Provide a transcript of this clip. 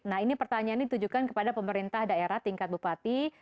nah ini pertanyaan ditujukan kepada pemerintah daerah tingkat bupati